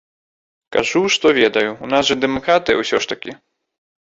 Кажу, што ведаю, у нас жа дэмакратыя ўсе ж такі.